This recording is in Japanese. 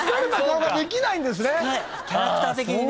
キャラクター的にね。